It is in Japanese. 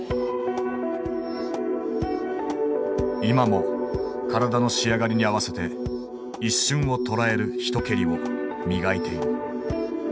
今も体の仕上がりに合わせて一瞬をとらえる一蹴りを磨いている。